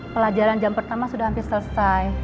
pelajaran jam pertama sudah hampir selesai